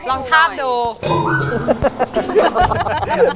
ลองภาพดู